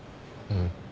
うん。